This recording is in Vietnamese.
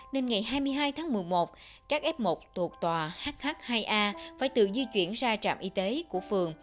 nên ngày hai mươi hai tháng một mươi một các f một thuộc tòa hh hai a phải tự di chuyển ra trạm y tế của phường